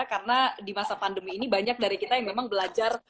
karena di masa pandemi ini banyak dari kita yang memang belajar